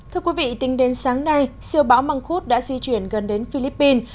thưa quý vị tính đến sáng nay siêu bão măng khuốt đã di chuyển gần đến philippines